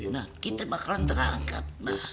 nah kita bakalan terangkat